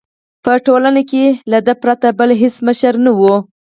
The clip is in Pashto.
په ټولنه کې له ده پرته بل هېڅ مشر نه وو.